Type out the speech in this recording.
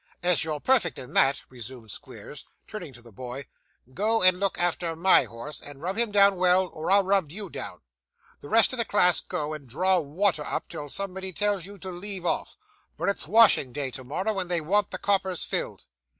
'As you're perfect in that,' resumed Squeers, turning to the boy, 'go and look after MY horse, and rub him down well, or I'll rub you down. The rest of the class go and draw water up, till somebody tells you to leave off, for it's washing day tomorrow, and they want the coppers filled.